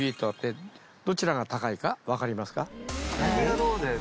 どちらが高いか分かりますか？